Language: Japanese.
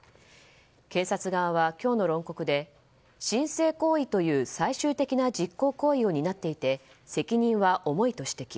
検察側は今日の論告で申請行為という最終的な実行行為を担っていて責任は重いと指摘。